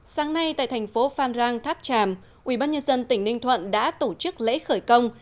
sáng nay tại thành phố phan rang tháp tràm ubnd tỉnh ninh thuận đã tổ chức lễ khởi công